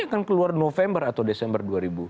akan keluar november atau desember dua ribu tujuh belas